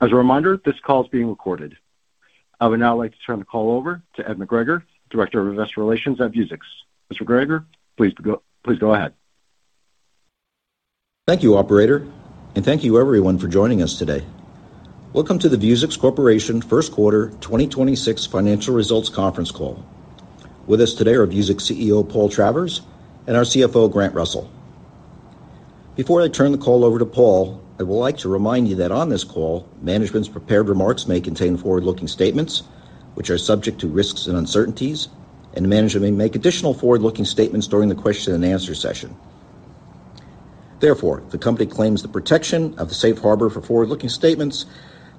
As a reminder, this call is being recorded. I would now like to turn the call over to Ed McGregor, Director of Investor Relations at Vuzix. Mr. McGregor, please go ahead. Thank you, operator, and thank you everyone for joining us today. Welcome to the Vuzix Corporation first quarter 2026 financial results conference call. With us today are Vuzix CEO, Paul Travers, and our CFO, Grant Russell. Before I turn the call over to Paul, I would like to remind you that on this call, management's prepared remarks may contain forward-looking statements which are subject to risks and uncertainties, and management may make additional forward-looking statements during the question and answer session. The company claims the protection of the safe harbor for forward-looking statements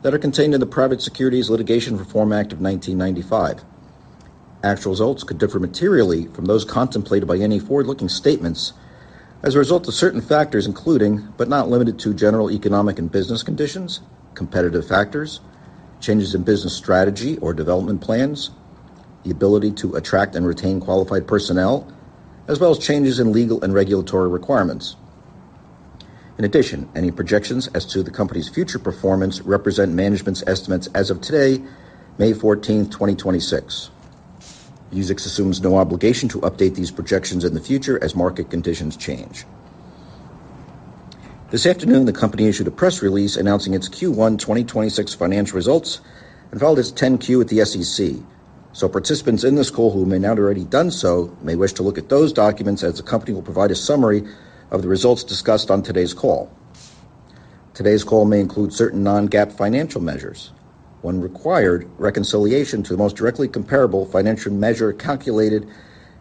that are contained in the Private Securities Litigation Reform Act of 1995. Actual results could differ materially from those contemplated by any forward-looking statements as a result of certain factors, including, but not limited to, general economic and business conditions, competitive factors, changes in business strategy or development plans, the ability to attract and retain qualified personnel, as well as changes in legal and regulatory requirements. Any projections as to the company's future performance represent management's estimates as of today, May 14th, 2026. Vuzix assumes no obligation to update these projections in the future as market conditions change. This afternoon, the company issued a press release announcing its Q1 2026 financial results and filed its 10-Q at the SEC. Participants in this call who may not already done so may wish to look at those documents as the company will provide a summary of the results discussed on today's call. Today's call may include certain non-GAAP financial measures. Reconciliation to the most directly comparable financial measure calculated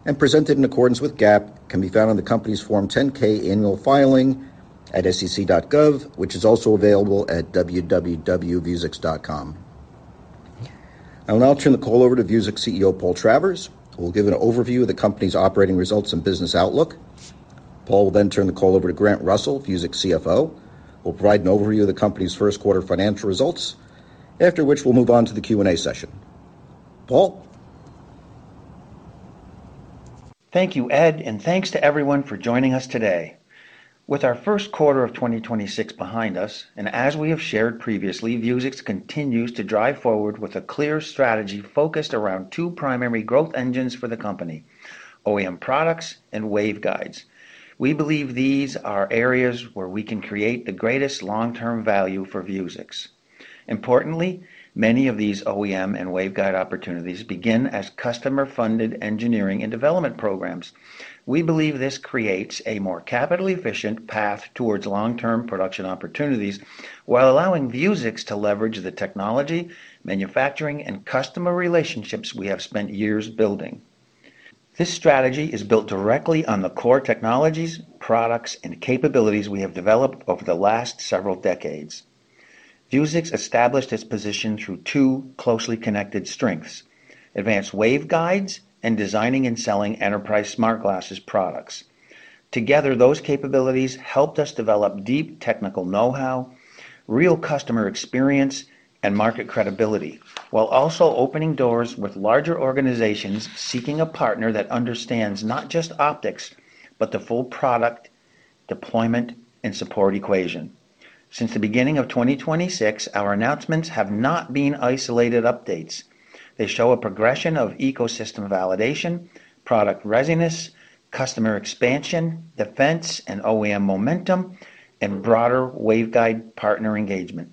and presented in accordance with GAAP can be found on the company's Form 10-K annual filing at sec.gov, which is also available at www.vuzix.com. I will now turn the call over to Vuzix CEO, Paul Travers, who will give an overview of the company's operating results and business outlook. Paul will turn the call over to Grant Russell, Vuzix CFO, who will provide an overview of the company's first quarter financial results, after which we'll move on to the Q&A session. Paul? Thank you, Ed, and thanks to everyone for joining us today. With our first quarter of 2026 behind us, as we have shared previously, Vuzix continues to drive forward with a clear strategy focused around two primary growth engines for the company: OEM products and waveguides. We believe these are areas where we can create the greatest long-term value for Vuzix. Importantly, many of these OEM and waveguide opportunities begin as customer-funded engineering and development programs. We believe this creates a more capital-efficient path towards long-term production opportunities while allowing Vuzix to leverage the technology, manufacturing, and customer relationships we have spent years building. This strategy is built directly on the core technologies, products, and capabilities we have developed over the last several decades. Vuzix established its position through two closely connected strengths, advanced waveguides and designing and selling enterprise smart glasses products. Together, those capabilities helped us develop deep technical know-how, real customer experience, and market credibility, while also opening doors with larger organizations seeking a partner that understands not just optics, but the full product deployment and support equation. Since the beginning of 2026, our announcements have not been isolated updates. They show a progression of ecosystem validation, product readiness, customer expansion, defense and OEM momentum, and broader waveguide partner engagement.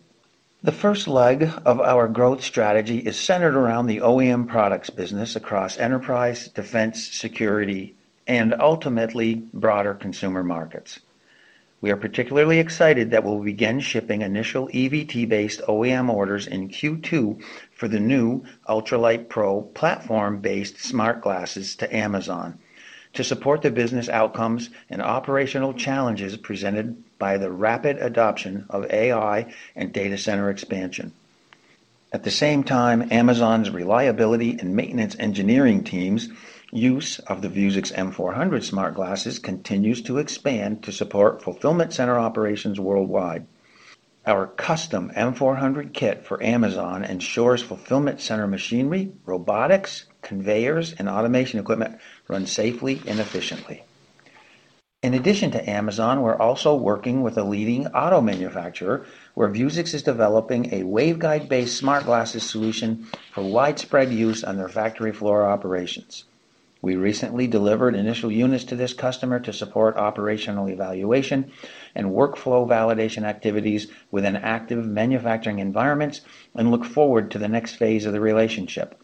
The first leg of our growth strategy is centered around the OEM products business across enterprise, defense, security, and ultimately broader consumer markets. We are particularly excited that we will begin shipping initial EVT-based OEM orders in Q2 for the new Ultralite Pro platform-based smart glasses to Amazon to support the business outcomes and operational challenges presented by the rapid adoption of AI and data center expansion. At the same time, Amazon's reliability and maintenance engineering teams use of the Vuzix M400 smart glasses continues to expand to support fulfillment center operations worldwide. Our custom M400 kit for Amazon ensures fulfillment center machinery, robotics, conveyors, and automation equipment run safely and efficiently. In addition to Amazon, we're also working with a leading auto manufacturer where Vuzix is developing a waveguide-based smart glasses solution for widespread use on their factory floor operations. We recently delivered initial units to this customer to support operational evaluation and workflow validation activities within active manufacturing environments and look forward to the next phase of the relationship.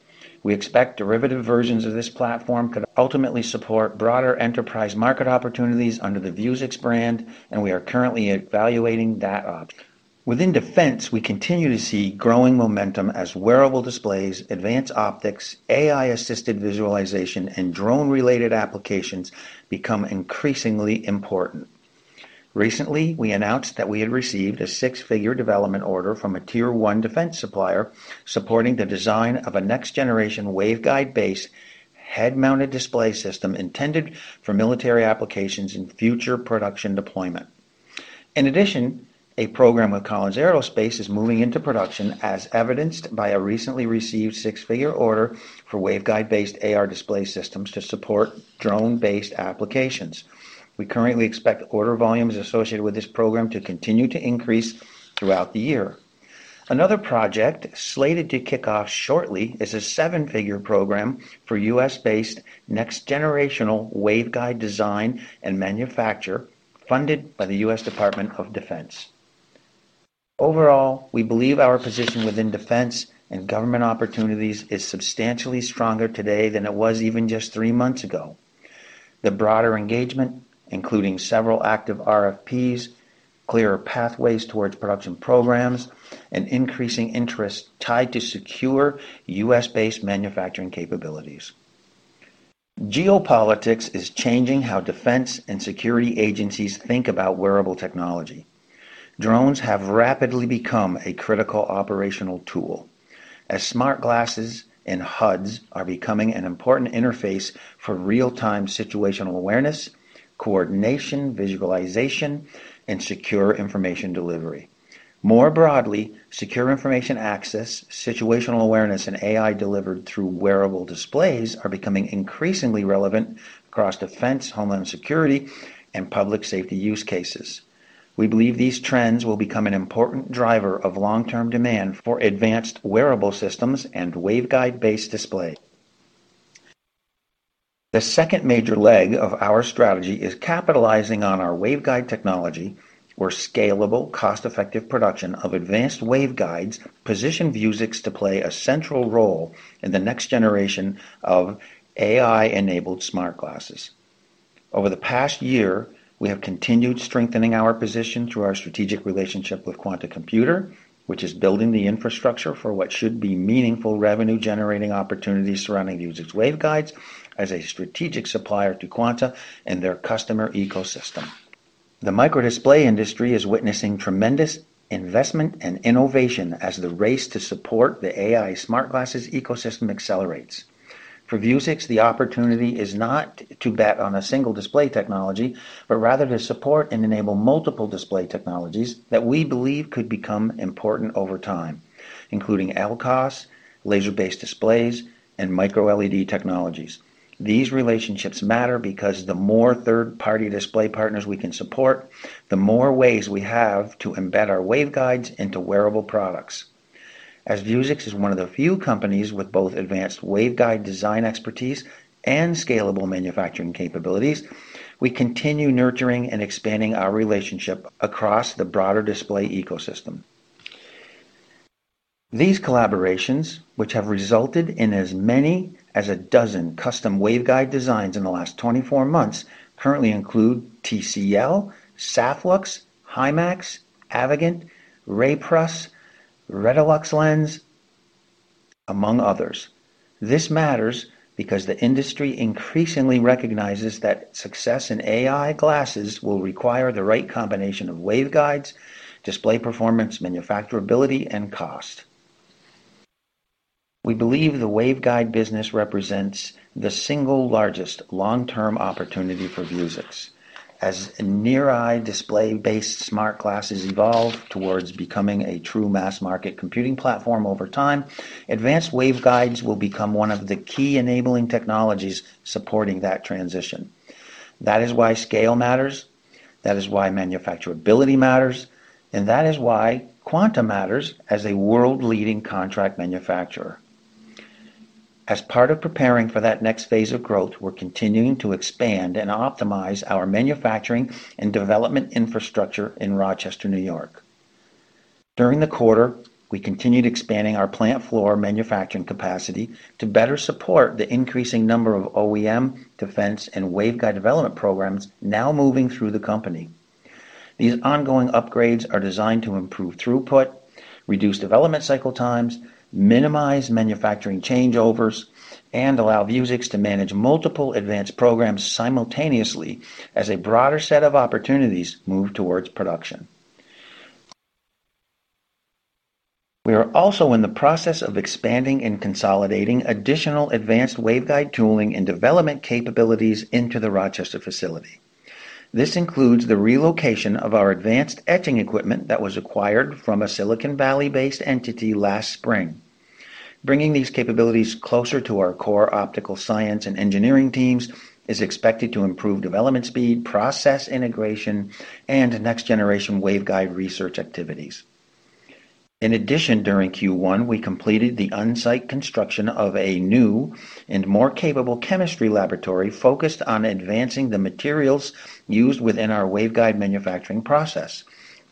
We expect derivative versions of this platform could ultimately support broader enterprise market opportunities under the Vuzix brand, and we are currently evaluating that option. Within defense, we continue to see growing momentum as wearable displays, advanced optics, AI-assisted visualization, and drone-related applications become increasingly important. Recently, we announced that we had received a six-figure development order from a tier 1 defense supplier supporting the design of a next-generation waveguide base head-mounted display system intended for military applications and future production deployment. In addition, a program with Collins Aerospace is moving into production as evidenced by a recently received six-figure order for waveguide-based AR display systems to support drone-based applications. We currently expect order volumes associated with this program to continue to increase throughout the year. Another project slated to kick off shortly is a seven-figure program for U.S.-based next-generational waveguide design and manufacture funded by the U.S. Department of Defense. Overall, we believe our position within defense and government opportunities is substantially stronger today than it was even just three months ago. The broader engagement, including several active RFPs, clearer pathways towards production programs, and increasing interest tied to secure U.S.-based manufacturing capabilities. Geopolitics is changing how defense and security agencies think about wearable technology. Drones have rapidly become a critical operational tool, as smart glasses and HUDs are becoming an important interface for real-time situational awareness, coordination, visualization, and secure information delivery. More broadly, secure information access, situational awareness, and AI delivered through wearable displays are becoming increasingly relevant across defense, homeland security, and public safety use cases. We believe these trends will become an important driver of long-term demand for advanced wearable systems and waveguide-based display. The second major leg of our strategy is capitalizing on our waveguide technology, where scalable, cost-effective production of advanced waveguides position Vuzix to play a central role in the next generation of AI-enabled smart glasses. Over the past year, we have continued strengthening our position through our strategic relationship with Quanta Computer, which is building the infrastructure for what should be meaningful revenue-generating opportunities surrounding Vuzix waveguides as a strategic supplier to Quanta and their customer ecosystem. The microdisplay industry is witnessing tremendous investment and innovation as the race to support the AI smart glasses ecosystem accelerates. For Vuzix, the opportunity is not to bet on a single display technology, but rather to support and enable multiple display technologies that we believe could become important over time, including LCOS, laser-based displays, and microLED technologies. These relationships matter because the more third-party display partners we can support, the more ways we have to embed our waveguides into wearable products. As Vuzix is one of the few companies with both advanced waveguide design expertise and scalable manufacturing capabilities, we continue nurturing and expanding our relationship across the broader display ecosystem. These collaborations, which have resulted in as many as a dozen custom waveguide designs in the last 24 months, currently include TCL, SAFLUX, Himax, Avegant, Rayprus, Retilux Lens, among others. This matters because the industry increasingly recognizes that success in AI glasses will require the right combination of waveguides, display performance, manufacturability, and cost. We believe the waveguide business represents the single largest long-term opportunity for Vuzix. As near-eye display-based smart glasses evolve towards becoming a true mass-market computing platform over time, advanced waveguides will become one of the key enabling technologies supporting that transition. That is why scale matters, that is why manufacturability matters, and that is why Quanta matters as a world-leading contract manufacturer. As part of preparing for that next phase of growth, we're continuing to expand and optimize our manufacturing and development infrastructure in Rochester, N.Y. During the quarter, we continued expanding our plant floor manufacturing capacity to better support the increasing number of OEM defense and waveguide development programs now moving through the company. These ongoing upgrades are designed to improve throughput, reduce development cycle times, minimize manufacturing changeovers, and allow Vuzix to manage multiple advanced programs simultaneously as a broader set of opportunities move towards production. We are also in the process of expanding and consolidating additional advanced waveguide tooling and development capabilities into the Rochester facility. This includes the relocation of our advanced etching equipment that was acquired from a Silicon Valley-based entity last spring. Bringing these capabilities closer to our core optical science and engineering teams is expected to improve development speed, process integration, and next-generation waveguide research activities. In addition, during Q1, we completed the on-site construction of a new and more capable chemistry laboratory focused on advancing the materials used within our waveguide manufacturing process.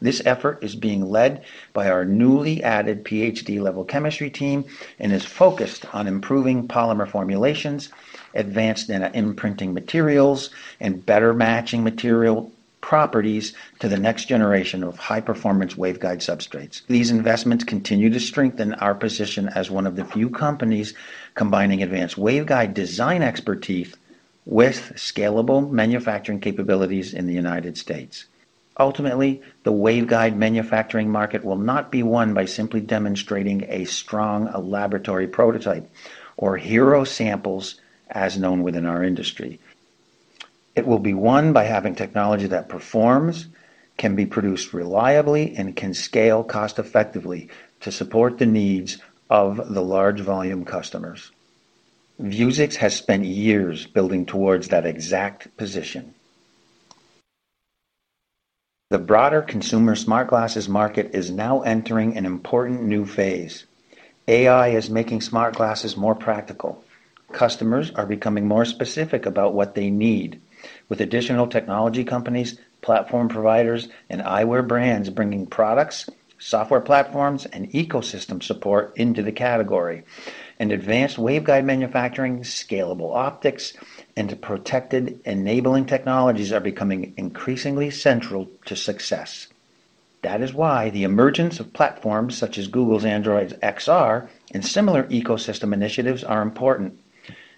This effort is being led by our newly added PhD-level chemistry team and is focused on improving polymer formulations, advanced nanoimprinting materials, and better matching material properties to the next generation of high-performance waveguide substrates. These investments continue to strengthen our position as one of the few companies combining advanced waveguide design expertise with scalable manufacturing capabilities in the United States. Ultimately, the waveguide manufacturing market will not be won by simply demonstrating a strong laboratory prototype or hero samples as known within our industry. It will be won by having technology that performs, can be produced reliably, and can scale cost effectively to support the needs of the large volume customers. Vuzix has spent years building towards that exact position. The broader consumer smart glasses market is now entering an important new phase. AI is making smart glasses more practical. Customers are becoming more specific about what they need. With additional technology companies, platform providers, and eyewear brands bringing products, software platforms, and ecosystem support into the category, advanced waveguide manufacturing, scalable optics, and protected enabling technologies are becoming increasingly central to success. That is why the emergence of platforms such as Google's Android XR and similar ecosystem initiatives are important.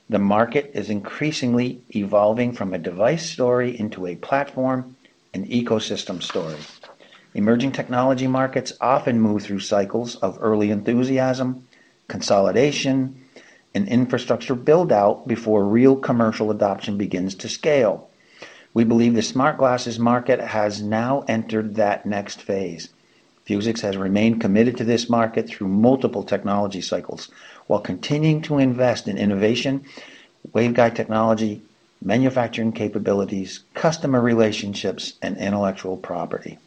The market is increasingly evolving from a device story into a platform and ecosystem story. Emerging technology markets often move through cycles of early enthusiasm, consolidation, and infrastructure build-out before real commercial adoption begins to scale. We believe the smart glasses market has now entered that next phase. Vuzix has remained committed to this market through multiple technology cycles while continuing to invest in innovation, waveguide technology, manufacturing capabilities, customer relationships, and intellectual property.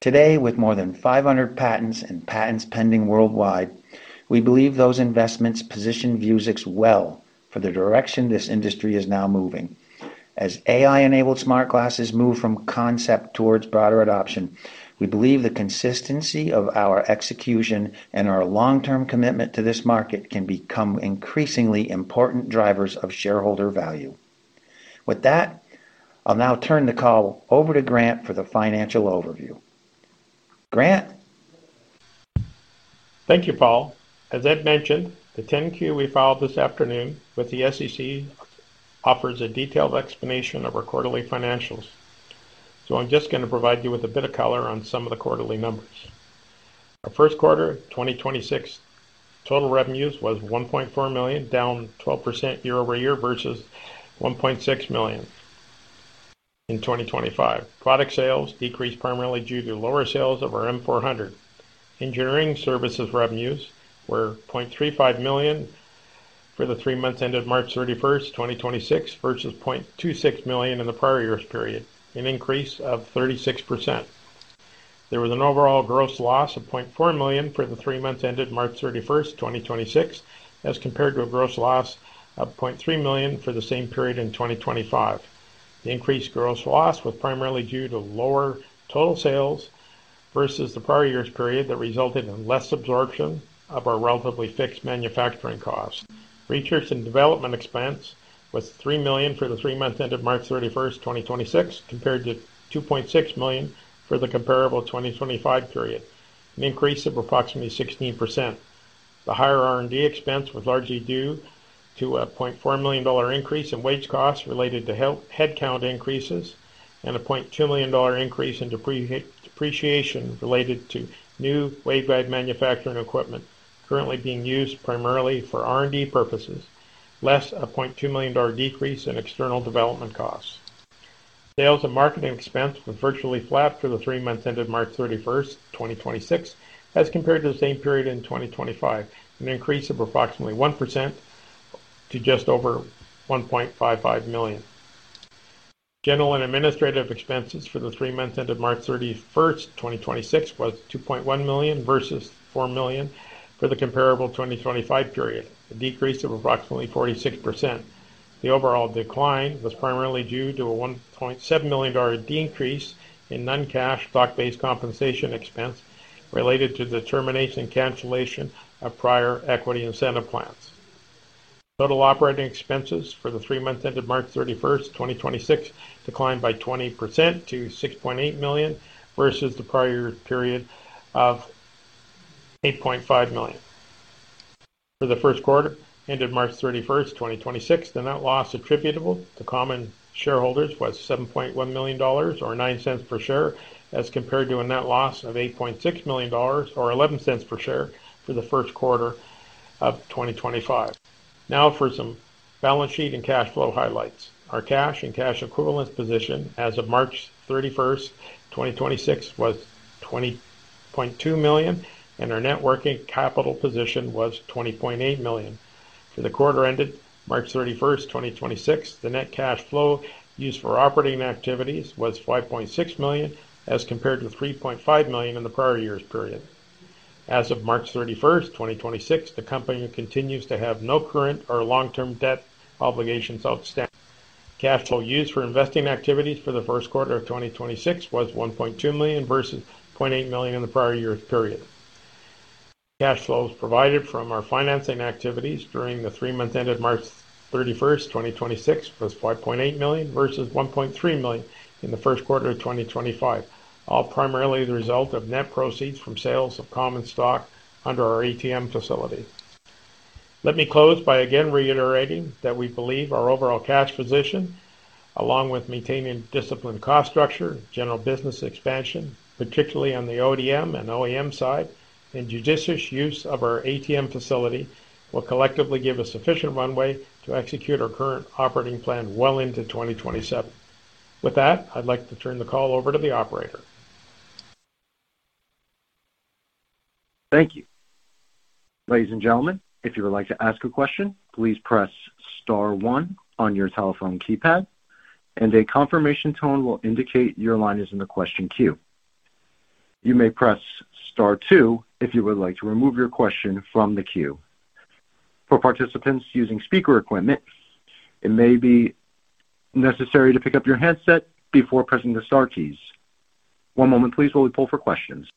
Today, with more than 500 patents and patents pending worldwide, we believe those investments position Vuzix well for the direction this industry is now moving. As AI-enabled smart glasses move from concept towards broader adoption, we believe the consistency of our execution and our long-term commitment to this market can become increasingly important drivers of shareholder value. With that, I'll now turn the call over to Grant for the financial overview. Grant? Thank you, Paul. As Ed mentioned, the 10-Q we filed this afternoon with the SEC offers a detailed explanation of our quarterly financials. I'm just going to provide you with a bit of color on some of the quarterly numbers. Our first quarter 2026 total revenues was $1.4 million, down 12% year-over-year versus $1.6 million in 2025. Product sales decreased primarily due to lower sales of our M400. Engineering services revenues were $0.35 million for the three months ended March 31st, 2026 versus $0.26 million in the prior year's period, an increase of 36%. There was an overall gross loss of $0.4 million for the three months ended March 31st, 2026 as compared to a gross loss of $0.3 million for the same period in 2025. The increased gross loss was primarily due to lower total sales versus the prior year's period that resulted in less absorption of our relatively fixed manufacturing costs. Research and development expense was $3 million for the three months ended March 31st, 2026, compared to $2.6 million for the comparable 2025 period, an increase of approximately 16%. The higher R&D expense was largely due to a $0.4 million increase in wage costs related to headcount increases and a $0.2 million increase in depreciation related to new waveguide manufacturing equipment currently being used primarily for R&D purposes, less a $0.2 million decrease in external development costs. Sales and marketing expense were virtually flat for the three months ended March 31st, 2026, as compared to the same period in 2025, an increase of approximately 1% to just over $1.55 million. General and administrative expenses for the three months ended March 31st, 2026, was $2.1 million versus $4 million for the comparable 2025 period, a decrease of approximately 46%. The overall decline was primarily due to a $1.7 million decrease in non-cash stock-based compensation expense related to the termination and cancellation of prior equity incentive plans. Total operating expenses for the three months ended March 31st, 2026 declined by 20% to $6.8 million versus the prior year period of $8.5 million. For the first quarter ended March 31st, 2026, the net loss attributable to common shareholders was $7.1 million, or $0.09 per share, as compared to a net loss of $8.6 million or $0.11 per share for the first quarter of 2025. For some balance sheet and cash flow highlights. Our cash and cash equivalents position as of March 31st, 2026, was $20.2 million, and our net working capital position was $20.8 million. For the quarter ended March 31st, 2026, the net cash flow used for operating activities was $5.6 million, as compared to $3.5 million in the prior year's period. As of March 31st, 2026, the company continues to have no current or long-term debt obligations outstanding. Cash flow used for investing activities for the first quarter of 2026 was $1.2 million, versus $0.8 million in the prior year's period. Cash flows provided from our financing activities during the three months ended March 31st, 2026, was $5.8 million, versus $1.3 million in the first quarter of 2025, all primarily the result of net proceeds from sales of common stock under our ATM facility. Let me close by again reiterating that we believe our overall cash position, along with maintaining disciplined cost structure, general business expansion, particularly on the ODM and OEM side. Judicious use of our ATM facility will collectively give us sufficient runway to execute our current operating plan well into 2027. With that, I'd like to turn the call over to the operator. Thank you. Ladies and gentlemen, if you would like to ask a question, please press star one on your telephone keypad, a confirmation tone will indicate your line is in the question queue. You may press star two if you would like to remove your question from the queue. For participants using speaker equipment, it may be necessary to pick up your headset before pressing the star keys. One moment, please, while we poll for questions.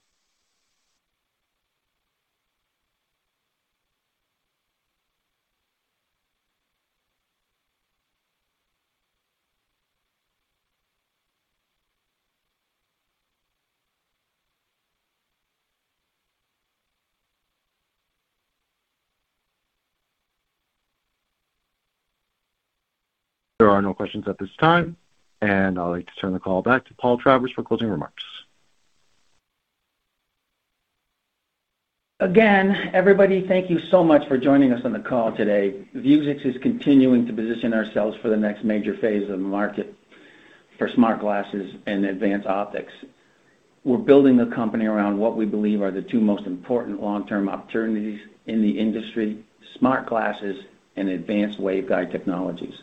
There are no questions at this time. I'd like to turn the call back to Paul Travers for closing remarks. Again, everybody, thank you so much for joining us on the call today. Vuzix is continuing to position ourselves for the next major phase of the market for smart glasses and advanced optics. We're building the company around what we believe are the two most important long-term opportunities in the industry, smart glasses and advanced waveguide technologies.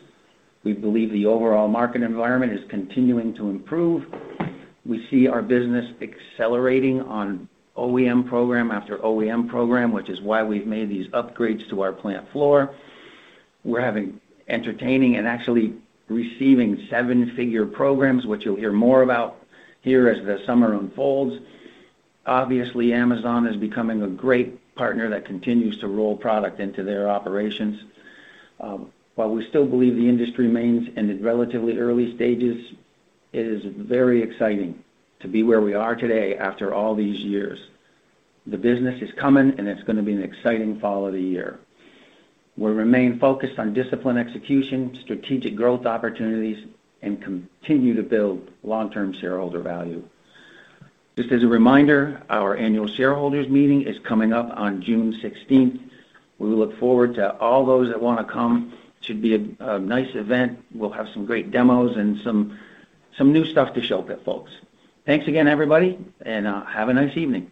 We believe the overall market environment is continuing to improve. We see our business accelerating on OEM program after OEM program, which is why we've made these upgrades to our plant floor. We're having entertaining and actually receiving seven-figure programs, which you'll hear more about here as the summer unfolds. Amazon is becoming a great partner that continues to roll product into their operations. While we still believe the industry remains in the relatively early stages, it is very exciting to be where we are today after all these years. The business is coming. It's going to be an exciting fall of the year. We remain focused on discipline execution, strategic growth opportunities, and continue to build long-term shareholder value. Just as a reminder, our annual shareholders meeting is coming up on June 16th. We look forward to all those that want to come. Should be a nice event. We'll have some great demos and some new stuff to show the folks. Thanks again, everybody. Have a nice evening.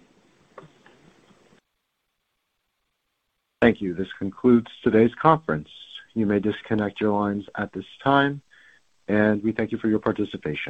Thank you. This concludes today's conference. You may disconnect your lines at this time. We thank you for your participation.